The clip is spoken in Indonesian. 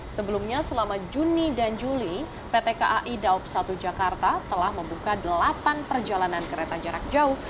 sebelumnya selama juni dan juli pt kai daob satu jakarta telah membuka delapan perjalanan kereta jarak jauh